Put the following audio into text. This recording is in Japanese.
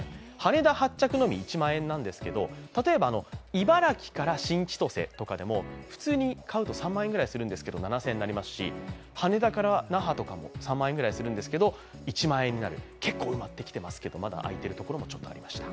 茨城から新千歳とかでも、普通に買うと３万円ぐらい何ですけど７０００円になりますし羽田から那覇とかも３万円ぐらいするんですけど１万円になる結構埋まってきていますけど、まだあいているところもちょっとありました。